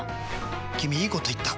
君いいこと言った！